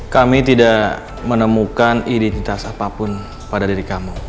kami tidak menemukan identitas apapun pada diri kamu